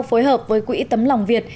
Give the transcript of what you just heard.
phối hợp với quỹ tấm lòng việt